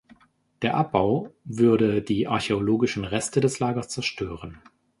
Der Abbau würde die archäologischen Reste des Lagers zerstören.